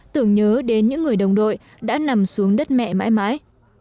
tưởng nhớ đến những người đồng đội đã nằm xuống đất mẹ mãi mãi